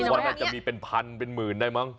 ว่าน่าจะมีเป็นพันเป็นหมื่นได้มั้ง